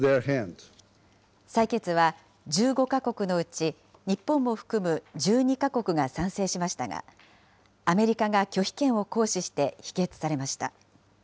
採決は１５か国のうち日本も含む１２か国が賛成しましたが、アメリカが拒否権を行使して否決されました。